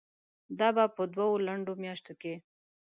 دا به په دوو لنډو میاشتو کې